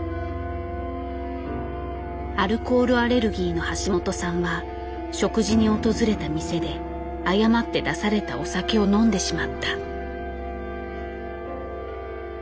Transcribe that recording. アルコールアレルギーの橋本さんは食事に訪れた店で誤って出されたお酒を飲んでしまった。